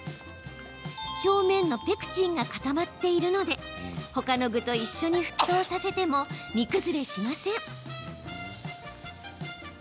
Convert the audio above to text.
表面のペクチンが固まっているのでほかの具と一緒に沸騰させても煮崩れしません。